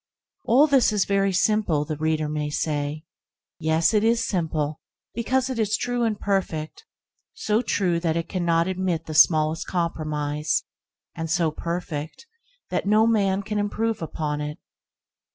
All this is very simple, the reader may say. Yes, it is simple because it is true and perfect; so true that it cannot admit the smallest compromise, and so perfect that no man can improve upon it.